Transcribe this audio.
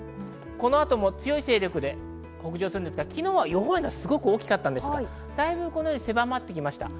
この後、強い勢力で北上しますが、昨日は予報円がすごく大きかったですがせばまってきました。